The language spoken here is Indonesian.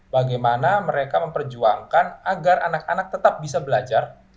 bagaimana mereka memperjuangkan agar anak anak tetap bisa belajar